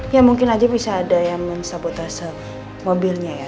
ya mungkin aja bisa ada yang mensabotase mobilnya ya